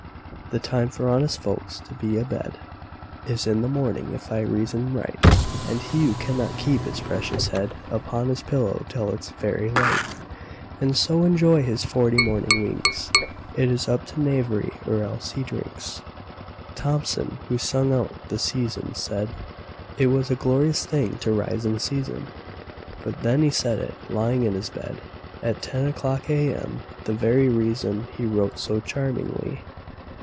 The time for honest folks to be a bedIs in the morning, if I reason right; And he who cannot keep his precious headUpon his pillow till it 's fairly light, And so enjoy his forty morning winks, Is up to knavery; or else—he drinks! Thomson, who sung about the "Seasons," saidIt was a glorious thing to rise in season; But then he said it—lying—in his bed, At ten o'clock A.M.,—the very reasonHe wrote so charmingly.